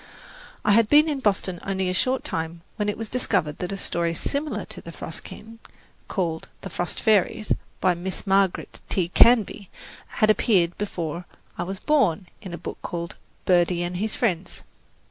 I had been in Boston only a short time when it was discovered that a story similar to "The Frost King," called "The Frost Fairies" by Miss Margaret T. Canby, had appeared before I was born in a book called "Birdie and His Friends."